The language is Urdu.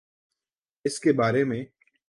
اس کے بارے میں